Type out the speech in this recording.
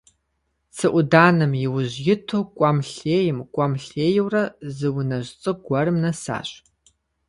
Цы Ӏуданэм и ужь иту кӀуэм-лъейм, кӀуэм-лъейурэ зы унэжь цӀыкӀу гуэрым нэсащ.